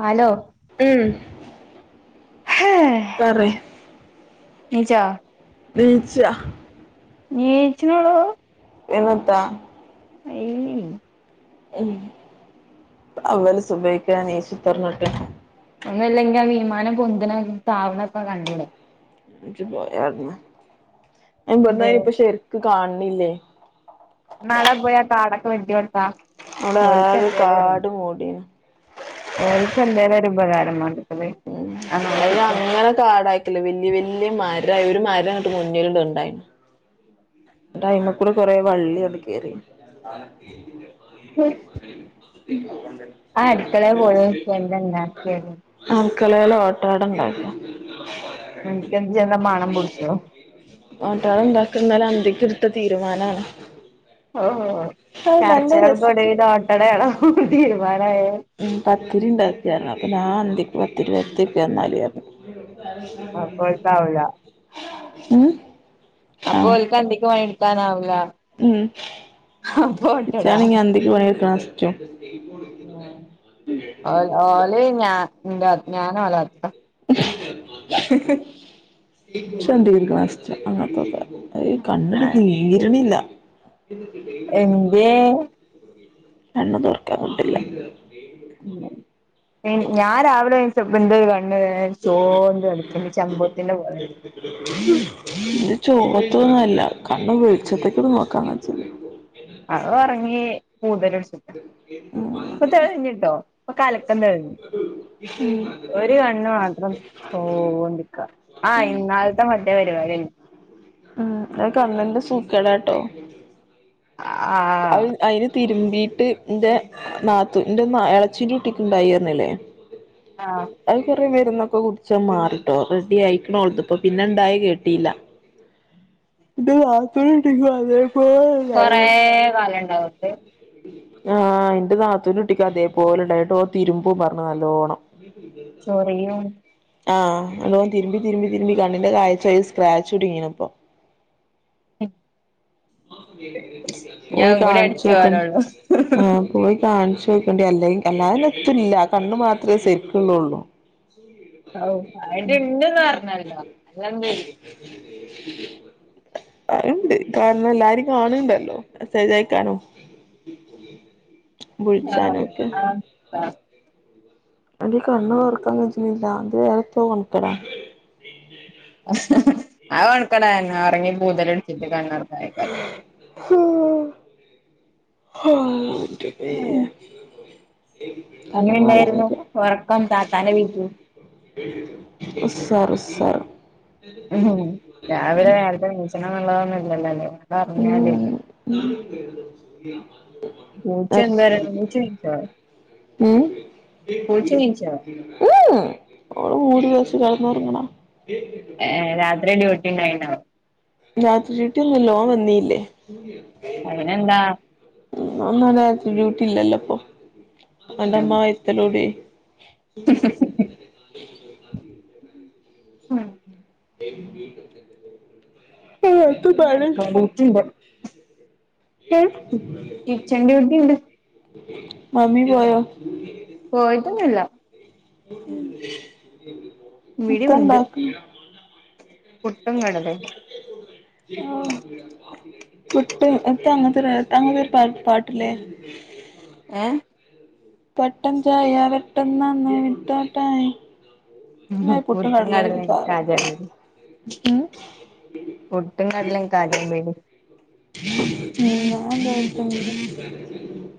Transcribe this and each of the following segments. Hello ഉം ഹെ പറയ് ണീച്ച നീച്ചാ നീച്ച്നോള്ളോ പിന്നെത്ത അയീ ഉം അവ്വല് സുബൈക്കന്നെ നീച്ചുത്തർന്ന്ട്ട് ഒന്ന്ല്ലെങ്കി ആ വിമാനം പൊന്ത്ണ താവ്ണാക്കെ കണ്ടൂടെ ജ് പോയാവ്ട്ന്ന് ന് ബട്ന്നയ്നിപ്പൊ ശെരിക്ക് കാണ് ണ്ല്ലേ ന്നാടെ പോയാ കാടൊക്കെ വെട്ടി കൊട്ത്താ നമ്മടെ ആക കാട് മൂട ഓർപ്പ എന്തോല ഒരു ഉപകാരമാണ് ഉ അ അങ്ങനെ കാടാക്കല വല്ിയ വല്ിയ മാ ഇും ആരങ്ങോട്ട് മുന്നിലണ്ട് ഉണ്ടായിു ടൈമക്കൂടെ കൊറെ വള്ളി എടുക്കയറി ഉ ആ അടുക്കള പോയക്കന്താ ക്കളയില ഓട്ടാട് ഉണ്ടാക്കുക എനക്ക് എന്ത് ചന്താ മണം പിൊടിച്ചോ കന്നല്ലതി കതിടുത്ത തീരുമാനമാണ് ഓ ചർച്ചകൾക്കൂടി തോട്ടടയാണ തീരുമാനം ഉ പത്തിരി ഇണ്ടാക്കത്തിരണം അപ്പൊ ന ത്തി വത്തിക്ക എന്നാലായിരുന്നു ആഹ കൊഴപ്പാവില്ല ഉം അപ്പൊ ആഹ് ഒക്ക് എന്തൊക്കും പണി എടുക്കാനാവില്ല ഉം ഇച്ചാ നങ്ങ അന്നക്കി വണിയടുക്കണ ആ ഓ ഓല ഞാൻ ഇന്താ ഞാന വലത്ത ശട്ട ചഡികർക്ക് വസ് അങ്ങനത്തോക്ക അ കണ്ണിട്ട നീരണില്ല എന്ത് കണ്ണ് തീർക്കാട്ടില്ല ഞാൻ രാവിലെ സബ ചോന്ത എടുക്കണ്ട് ചമ്പവത്തിന്റെ പോലണ്ട് ചുവ്ത്തൊന്നുംല്ല കണ്ണം വീളിച്ചത്തേക്കോടെ നോക്കാങ്ങ ചെയ ആ ഈ പൂതലടിച്ച് ഇപ്പൊ തെളിഞ്ഞിട്ടോ ഇപ്പൊ കലക്കം തെളിഞ്ഞ് ഒരു കണ്ണ് മാത്രം ചോവ്ണ്ടിക്ക ആഹ് ഇന്നാളത്തെ മറ്റേ പരിപാടിണ്ട് ഉം അ കണ്ണിന്റെ സൂക്കടാട്ടോ ആഹ് അവ് അതിന് തിരൂ വീട്ടി ന്റെ നാത്തു ന്റെ നാ എളച്ചിക്ക് കിട്ടി ഉണ്ടായിരിന്നില്ലേ ആഹ് മേരുന്നൊക്കെ കുടിച്ച മാറിട്ടോ റെഡി ആയിക്കണോളത്ത് പിന്നെ ഇണ്ടായി കേട്ടില്ല [unintelligible] കൊറേ ഇണ്ടായിനി കാലണ്ട് [unintelligible] ആഹ് എന്റെ നാത്തൂന്റെ കുട്ടിക്ക് അതേപോലെ ഉണ്ടായിട്ട് ഓ തിരുമ്പു പറഞ്ഞു നല്ലോണം ചൊറിയോ ആഹ് അതോൻ തിരുമ്പി തിരുമ്പി തിരുമ്പി കണ്ണിന്റെ കാഴ്ചേൽ സ്ക്രാച്ച് വീണിപ്പോ ഉം പോയി കൂടി അടിച്ച് കാണിച്ചോക്കാൻ പോരാള്ളൂ ആഹ് പോയി കാണ ചോദിക്കണ്ട്യല്ല അല്ലാതിന്നേ എത്തില്ല കണ്ണു മാത്രേ സരിക്കോള്ളള്ളൂ ഓ അയ്ൻ്റെ ഇണ്ട്ന്ന് പറഞ്ഞല്ലോ അല്ലാതെന്ത് ചെയ്യും. അയിണ്ട് കാരണം എല്ലാരും കാണണ്ടല്ലോ മെസേജയക്കാനും ആഹ് വിളിച്ചാനൊക്കെ ആഹ് അത് കണ്ണൊർക്കാൻ കഴഞ്ഞുന്നില്ല അത് വെറൊന്തൊ കൊണ്ടുത്തരാ ആ കൊഴക്കട ഒറങ്ങി പൂതലടിച്ചിട്ട് കണ്ണൊറ- ഹാ [unintelligible] എങ്ങനെ കണ്ണ്ന്ന് വെള്ളം ഇണ്ടായിരുന്നു വരാ ഒറക്കം താത്താന്റെ വീട്ടിൽ സർ ഉം രാവിലെ നേരത്തെ ഇണീച്ച് [unintelligible] ഒള്ളതൊന്നും ഇല്ലല്ലോല്ലെ പറഞ്ഞാലല്ലെ [unintelligible] എന്തേരം പൂച്ച നീച്ചോ പൂച്ച നീച്ചോ എഹ് ഒരു ദിവസം കെടന്നൊറങ്ങണം [unintelligible] ഏ രാത്രി ഡ്യൂട്ടി ഉണ്ടായിര്ന്ന? രാത്രി ഡ്യൂട്ടി ഒന്നുല്ല ഓൻ വന്നീല്ലേ അതിനെന്താ ഓവന്ന രാത്രിട്യൂട്ടി ഇല്ലല്ലോപ്പൊ അന്റെമ്മ ആയിരത്തലൂടി ആ ആ ത്തൂപണി അടുക്കള ഡ്യൂട്ടിണ്ട് കിച്ചൺ ഡൂണ്ടണ്ട് മമ്മി പോയൊ ഓ ഇതന്നൊല്ല ഉ ഇവിടെയുണ്ട് മൊത്തണ്ടാക്കി പുട്ടും കടല ആ പുട്ട് ത ത തങ്ങ വ പ പാട്ടില്ല ഏ പെട്ടെന്ന് ചായ പെട്ടെന്ന്ന്ന് വിട്ടോട്ടായി ആ പുട്ടും കടലയും കടല കാറ് കാജാമ്പേടി ഉം പുട്ടും കടല കാജാബീഡി ന്തട്ട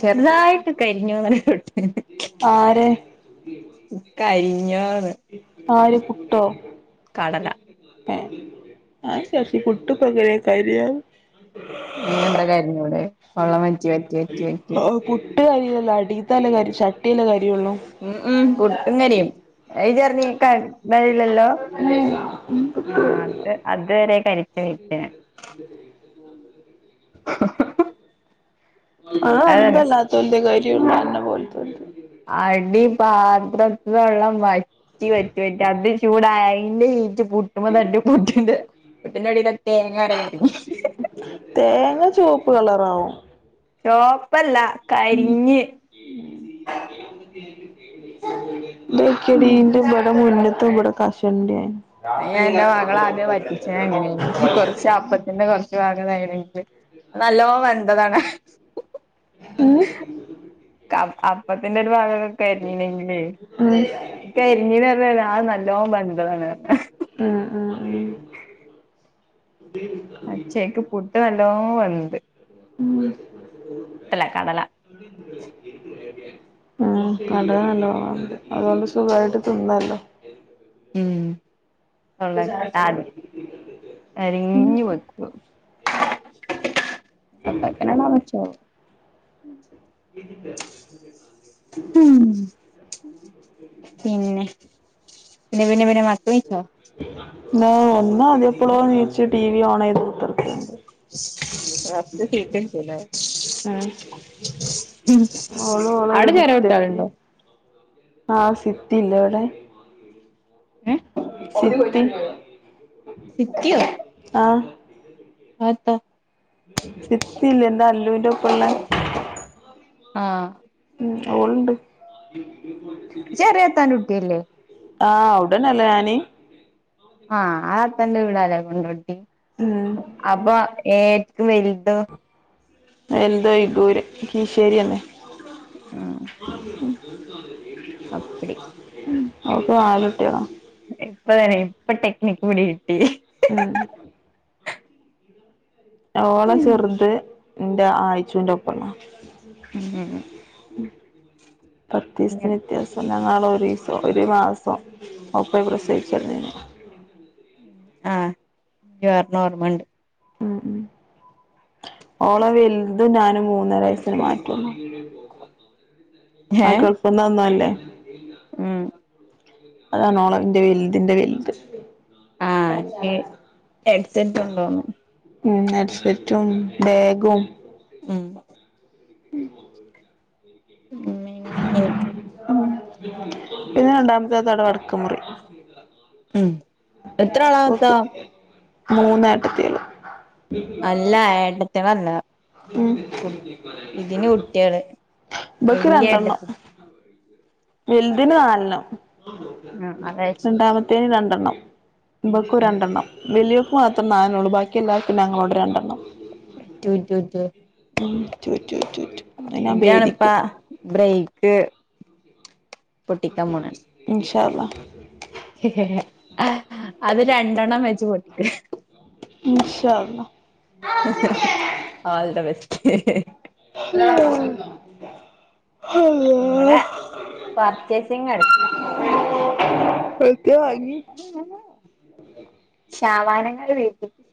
ചെറുതായിട്ട് കരിഞ്ഞുന്ന്ട്ടെ ആര് കരി പിഞ്ഞാ ആര് പുട്ടോ കടല ആ ആ പുുട്ടു വര കറിയാണ് ന എന്താ കാര്യം ഇവിടെ ആ കു പട്ട കരിയല്ല അടിത്ത കാര് ചട്ടിയ കയം ഉ ഉം പുട്ടും കരിയും ചർണി കരില്ലല്ലോ ആ അത് അതുവരെ കരി അ [inaudible] ആഹ് അതന്നെ അന്തല്ല തൊന്റെ കാര് ബ പാത്രത്തില വെള്ളം വ പറ്റി പറ്റി പറ്റി അത് ചൂടായി എന്റയും പുട്ടുമ്പതട്ടി പുട്ടിന്റെ പിന്നടി തേങ്ങ ചുവപ്പ് കളറാവോ ചോപ്പല്ല കരിഞ്ഞ് [inaudible] ഇക്കടീന്റെ ഇവിടെ മുന്നത്ത് അയ് ഇവിടെ കഷണ്ടായി ഞാൻ എന്റെ മകളെ ആദ്യം വറ്റിച്ചത് അങ്ങനെയായിരുന്നു കൊറച്ച് അപ്പത്തിന്റെ കൊറച്ച് ഭാഗം ഇതായിണെങ്കില് നല്ലോ വരണ്ടതാണ് പിന്നെ അപ്പത്തിന്റെ ഒരു ഭാഗം കരിഞ്ഞീനന്നേ ഉം ഉം കരിഞ്ഞീപറഞ്ഞ ആ നല്ലോ വെന്തതാണ് ആ ആ ആ അച്ചേക്ക് പുട്ടുവെല്ലോം ഓ വേന്ത് ഇല്ല കടല ഉം അതല്ലോ അതുകൊണ്ട് സുഖായിട്ട് തിന്നല്ലോ ഉം ഉള്ള കിട്ടാലും ഉം അരിഞ്ഞു വക്കൂ വേകാനാണോ വച്ചോ മൂ പിന്നെ പിന്നെപിന്നെ പിന്നെമ നോ ഒന്നതിൽ ഇപ്പോളോ നീച്ച് ടി വി ഓൺയ്തു [unintelligible] ഉം ഉം ഓള് ഓളൊരു അവിടെ ചേറാ ഡിക്റ്ററ്റ് കുട്ടികളുണ്ടോ ആ സിറ്റിയില്ലേ അവിടെ ഏ സി [inaudible] സിറ്റിയോ ആ താ ചിത്തിയില്ലോ എന്റെ അല്ലൂന്റെ ഒപ്പം ള്ളെ ആഹ് ഓള് ണ്ട് ചെറിയാത്താന്റെ കുട്ടി അല്ലേ ആ അവിടന്നല്ലേ ഞാന് ആ ആത്താന്റെ വീടാലെ കൊണ്ടോട്ടി ഉം അപ്പൊ ഏ പ്പം വൽ തോ വൽത് ഒയു കൂര്കിശ്ശേരിന്നെ ഉം അപ്പടി ഓൽക്ക് നാലു കുട്ടിയോളാ ഇപ്പ തന്നെ ഇപ്പൊ ടെക്നിക് പിടി ആ ഓള ചെർത് എന്റെ ആഴ്ചൂന്റെ ഒപ്പം ഉള്ളതാ ഉം പത്തീസത്തെ വ്യത്യാസം ഞങ്ങളെ ഒരീസം ഒരു മാസം ഒപ്പയി പ്രസവിച്ചകിടന്നില്ലേ ആഹ് ജോറിണം ഓർമ്മണ്ട് ഉ ഉ ഓള വലുത് ഞാനും മൂന്നര വയസിന് മാറ്റള്ളൂ ആ ഏഹ് ഗൾഫിൽന്ന് വന്നല്ലേ ഉം അതാണോളവിന്റെ വലുതിന്റെ വലുത് ആഹ് എനിക്ക് ഹെഡ്സെറ്റ് കൊണ്ടോന്ന് ഉം ഹെഡ്സെറ്റും ബാഗും ഉം [unintelligible] ഉം പിന്നെ രണ്ടാമത്തെതവടക്ക് മുറി ഉം എത്ര ആളാവത്ത മൂന്നേട്ടത്തികള് അല്ല ഏട്ടത്തെ വല്ല ഉം കുട്ടിയാള് വല്യ ബക്ക്‌രണ്ടെണ്ണം ഏട്ടത്തി വലുതിനി നാല് എണ്ണ ആഹ് അതാ ചോയ്ച്ചെ രണ്ടാമത്തേതിന് രണ്ട് [unintelligible] ഇവൾക്കും രണ്ടെണ്ണം വലിയ മാത്രം നാലെണ്ണം ഉള്ളൂ ബാക്കി എല്ലാവർക്കും ഞങ്ങളോട് രണ്ടെണ്ണം റ്റു റ്റു റ്റു ഉം [unintelligible] ഞാൻ ഇജാണിപ്പ ഭേദിക്കും ബ്രേക്ക് പൊട്ടിക്കാൻ പോണെ ആണ് ഇൻശാ അള്ളാ അത് രണ്ടെണ്ണം വെച്ച് പൊ ഇശാ ഓൾ ദ ബെസ്റ്റ് ങ്ങടെ പർച്ചേസിങ് നടത്തി ചെറുതായിട്ട് എത്താ വാങ്ങി ചാവാനങ്ങാള് വേതിപ്പിച്ച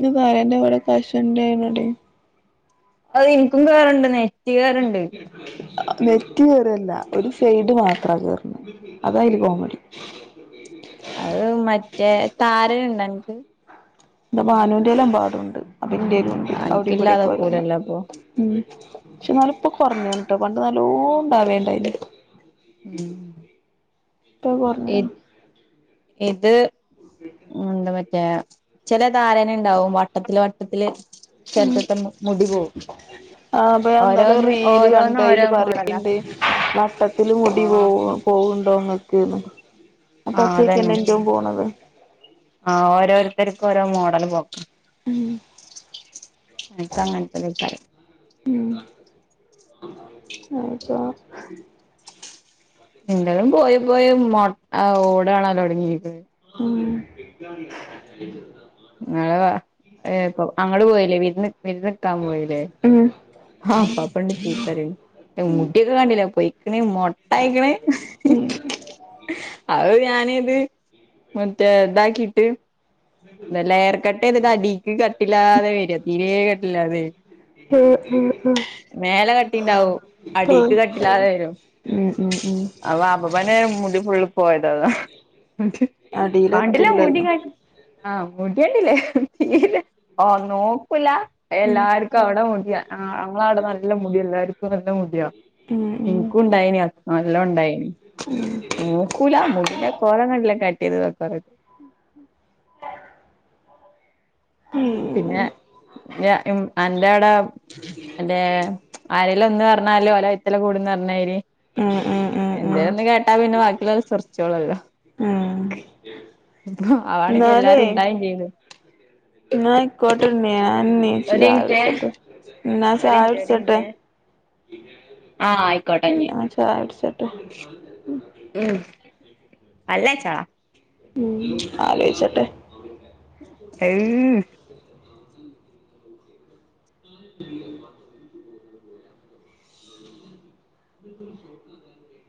സറ്റെ കവിടെ കാശന്റെനട അത് എനിക്കും വേറണ്ടന്ന തീരാാറുണ്ട് മ ക കേയറല്ല ഒരു ഫെയ്ഡ് മാർും അത്ര ചേർന്ന അതായില് കോമഡി അത് മറ്റേ താര ഉണ്ട ക്ക ഇന്താ മാനുവിന്റെ എല്ലാം പാടുണ്ട് അന്റെരുും ഉണ്ട് അവിടെ ഇവിടെൊക്കെ വര അൻക്കില്ലാതാക്കൂലല്ലോ അപ്പൊ ഉ പക്ഷപ്പോ കുറഞ്ഞ ട്ടോ കണ്ട നാലോ ആ വേണ്ടായിന്ന് ഉം ഇപ്പ പറഞ്ഞാണ് ഇത് എന്താ മറ്റേ ചില ധാരണ ഉണ്ടാവും വട്ടത്തില് വട്ടത്തില് ഉ ചെലത്തത്തെ മുടി പോവും ആ അപ്പ എന്നാലും ഓരോന്ന് റീല് ഓരോന്ന് കണ്ട ഓരോ അതില് മോഡലാ പറയണ്ട് വട്ടത്തില് മുടി പോ ആഹ് പോകണ്ട് റോങ്ങ് അ പച്ചക്കെ എ എറ്റവും പോണത് ആ ഓരോരുത്തർക്കും ഓരോ മോഡല് പോക്കും ഉം എക്ക അങ്ങനത്തെക്ക ഉ അത്തോ എന്താലും പോയി പോയി മ ഓടയാണല്ലോ ഒടങ്ങിത്് ഉ അളവാ [unintelligible] അങ്ങട്ട് പോയിലെ വിര്ന്ന് വിര്ന്ന്ക്കാൻ പോയിലെ ഉം ആ ഇപ്പപ്പ ഇണ്ട് ചീത്ത പറിണ് ഏ മുട്ടിയൊക്കെ കണ്ട്ലെ പൊയ്ക്ക്ണ് മൊട്ടയിക്ക്ണ് ഉം ഉം അ ഞാന ഇത് മറ്റേ ഇതാക്കിട്ട് എ ലയർ കട്ടതിട്ട് അടിക്ക് കട്ടില്ലാതെ വരും തീരേ കട്ടില്ലാതെ ഉം ഉം മേലെ കട്ടിണ്ടാവു ആഹ് അടിക്ക് കട്ടില്ലാതെ വരും ഉം ഉം ഉം അപ്പപ്പിന്നെ മുടിഫുൾ പോയത അതാ കണ്ടില്ല അടീലെത്തില്ലല്ലോ ആഹ മുടിയണ്ടില്ലേ തീരെ ഓ നോക്കൂല ഉം എല്ലാർക്കും അവിടെ മുടിയാ അവ അവിടെ നല്ല മുടി എല്ലാർക്കും നല്ല മുടിയ ഉം ഉം നിനിക്കും ഉണ്ടായെന നല്ല ഉണ്ടായെ ന നോക്കൂല മുടിൻ കോല കണ്ടിലൊക്ക കറക് [inaudible] ഉം പിന്നെ എന്റെ അന്റെടെ എന്റെ ആരില ഒന്ന് പറഞ്ഞാലും അല ഇത്തല കൂടുന്ന ന്നായിരി ഉം ഉം ഉം ഉം എന്തേലന്ന് കേട്ടാ പിന്നെ ബാക്കിലല്ലയുള്ളരെ ശുറിച്ചോളല്ലോ ഉം സെർച്ചചൊള്ളൂവല്ലോ അവണെങ്ക എല്ലാരും ഉണ്ടായയും ചെയ്ത് [unintelligible] എന്നായിക്കോട്ട് ഒരു മിനിറ്റേ ചായകുടിച്ചോട്ടെ എന്ന ചായ കുടിച്ചോട്ടേ ആ ആയിക്കോട്ടെഞ്ഞ്. ചായ കുടിച്ചട്ടെ [inaudible] ഉം. പല്ലേച്ചാളാ ഉം ആലോയ്ച്ചട്ടെ. [inaudible] [inaudible] [inaudible]